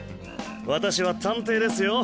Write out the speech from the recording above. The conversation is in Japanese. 私は探偵ですよ。